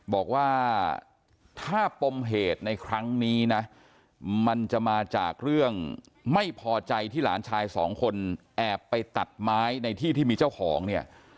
บอกว่าถ้าปมเหตุในครั้งนี้นะมันจะมาจากเรื่องไม่พอใจที่หลานชายสองคนแอบไปตัดไม้ในที่ที่มีเจ้าของเนี่ย